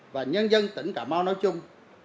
và nhân dân tỉnh cà mau nói chung